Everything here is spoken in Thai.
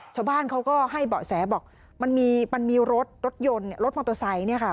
ชาวบ้านเขาก็ให้แสบอกมันมีมันมีรถรถยนต์รถมอโตซัยเนี้ยค่ะ